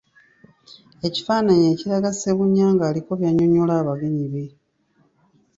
Ekifaananyi ekiraga Ssebunya nga aliko by’annyonnyola abagenyi be.